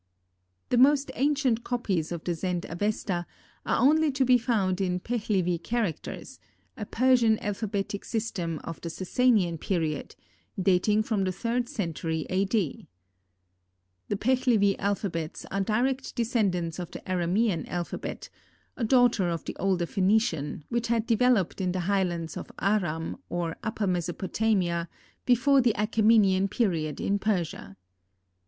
The most ancient copies of the Zend Avesta are only to be found in Pehlivi characters, a Persian alphabetic system of the Sassanian period, dating from the 3d century A. D. The Pehlivi alphabets are direct descendants of the Aramean alphabet, a daughter of the older Phœnician, which had developed in the highlands of Aram, or Upper Mesopotamia, before the Achamenian period in Persia.